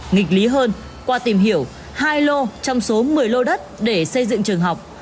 nghịch lý hơn qua tìm hiểu hai lô trong số một mươi lô đất để xây dựng trường học